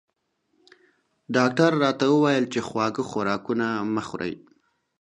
ډاکټر راته وویل چې خواږه خوراکونه مه خورئ